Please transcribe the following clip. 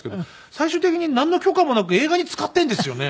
最終的になんの許可もなく映画に使っているんですよね。